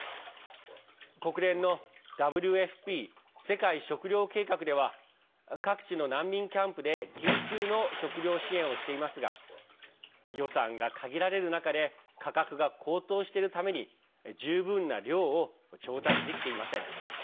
国連のＷＦＰ＝世界食糧計画では各地の難民キャンプで緊急の食糧支援をしていますが予算が限られる中で価格が高騰しているために十分な量を調達できていません。